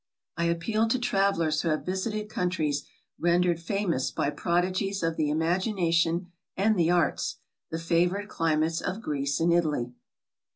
I appeal to travelers who have visited countries rendered famous by prodigies of the imagination and the arts, the favored climates of Greece and Italy.